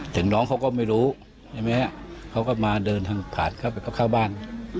ถึงน้องเขาก็ไม่รู้เขาก็มาเดินทางผ่านเข้าไปเข้าบ้าน